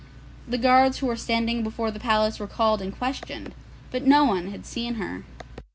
The guards who were standing before the palace were called and questioned, but no one had seen her.